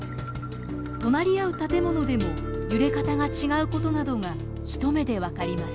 隣り合う建物でも揺れ方が違うことなどが一目で分かります。